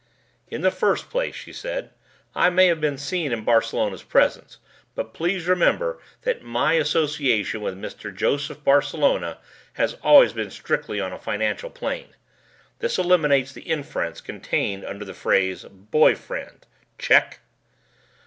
"In the first place," she said, "I may have been seen in Barcelona's presence but please remember that my association with Mr. Joseph Barcelona has always been strictly on a financial plane. This eliminates the inference contained under the phrase 'Boy Friend.' Check?"